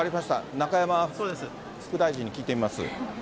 中山副大臣に聞いてみます。